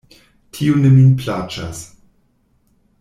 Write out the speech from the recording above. Tio ne min plaĉas.